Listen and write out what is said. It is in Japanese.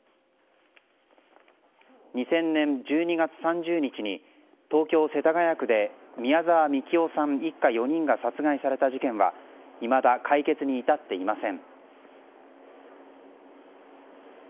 ２０００年１２月３０日に東京・世田谷区で宮沢みきおさん一家４人が殺害された事件はいまだ解決に至っていません。